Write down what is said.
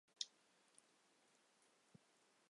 政策是富弹性的而非一系列死板的目标或法律例文。